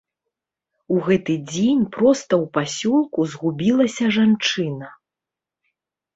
У гэты дзень проста ў пасёлку згубілася жанчына.